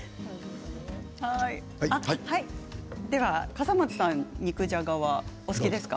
笠松さん、肉じゃがはお好きですか？